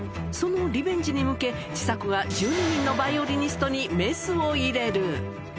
そのリベンジに向け、ちさ子が１２人のヴァイオリニストにメスを入れる。